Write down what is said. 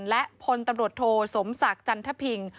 และพลตำรวจโทสมศักดิ์จันทพิง